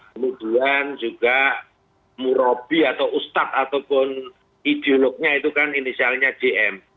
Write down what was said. kemudian juga murabi atau ustadz ataupun ideolognya itu kan inisialnya jm